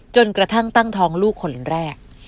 กระทั่งตั้งท้องลูกคนแรก